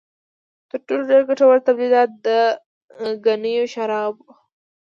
تر ټولو ډېر ګټور تولیدات د ګنیو شراب و.